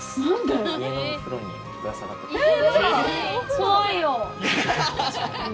怖いよ。